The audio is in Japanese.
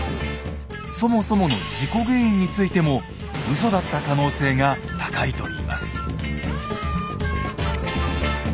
そもそもの事故原因についてもウソだった可能性が高いといいます。